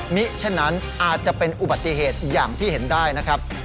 ฉะนั้นอาจจะเป็นอุบัติเหตุอย่างที่เห็นได้นะครับ